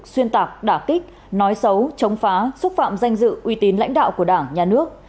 xuyên tạc đả kích nói xấu chống phá xúc phạm danh dự uy tín lãnh đạo của đảng nhà nước